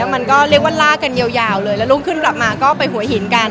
มันก็เรียกว่าลากกันยาวเลยแล้วรุ่งขึ้นกลับมาก็ไปหัวหินกัน